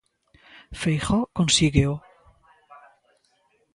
Feijóo consígueo.